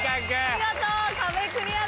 見事壁クリアです。